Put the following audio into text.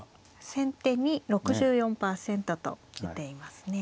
先手に６４％と出ていますね。